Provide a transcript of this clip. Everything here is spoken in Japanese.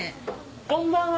こんばんは！